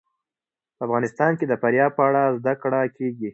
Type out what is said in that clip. په افغانستان کې د فاریاب په اړه زده کړه کېږي.